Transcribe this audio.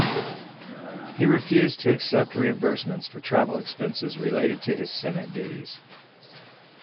He refused to accept reimbursements for travel expenses related to his Senate duties.